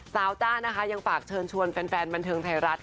จ้านะคะยังฝากเชิญชวนแฟนบันเทิงไทยรัฐ